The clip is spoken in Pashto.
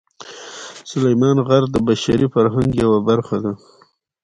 سلیمان غر د بشري فرهنګ یوه برخه ده.